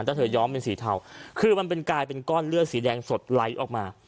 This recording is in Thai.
ถ้าเธอย้อมเป็นสีเทาคือมันเป็นกลายเป็นก้อนเลือดสีแดงสดไหลออกมา